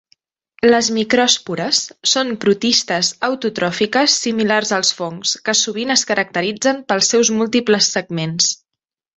Les micròspores són protistes autotròfiques similars als fongs que sovint es caracteritzen pels seus múltiples segments.